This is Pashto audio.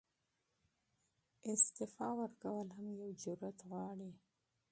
استعفاء ورکول هم یو جرئت غواړي.